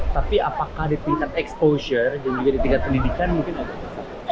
tapi apakah di tingkat exposure dan juga di tingkat pendidikan mungkin ada